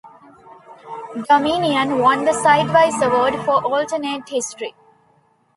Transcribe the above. "Dominion" won the Sidewise Award for Alternate History.